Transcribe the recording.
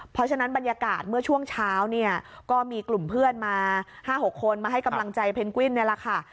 เพราะฉะนั้นบรรยากาศเมื่อช่วงเช้าเนี่ยก็มีกลุ่มเพื่อนมา๕๖คนมาให้กำลังใจเพนกวิ้นเนี่ยแหละค่ะ